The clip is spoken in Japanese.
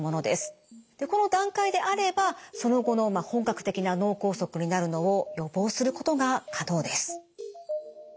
でこの段階であればその後の本格的な脳梗塞になるのを予防することが可能です。